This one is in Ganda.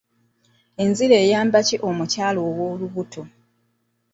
Enziro eyamba ki omukyala ow'olubuto?